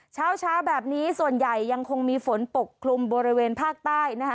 เช้าแบบนี้ส่วนใหญ่ยังคงมีฝนปกคลุมบริเวณภาคใต้นะคะ